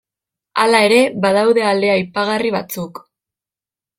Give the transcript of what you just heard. Hala ere badaude ale aipagarri batzuk.